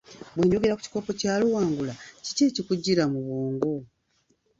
Bwe njogera ku kikopo kya Luwangula, kiki ekikujjira mu bw'ongo?